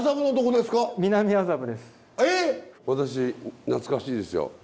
私懐かしいですよ。